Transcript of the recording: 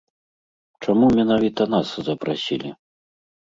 Чаму менавіта нас запрасілі?